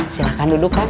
silahkan duduk kang